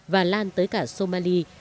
và lan tới cả somali